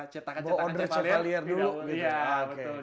cetakan chevalier dulu